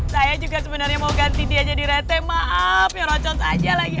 saya juga sebenarnya mau ganti dia jadi rete maaf ya rocon saja lagi